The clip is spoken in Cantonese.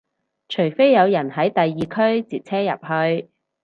除非有人喺第二區截車入去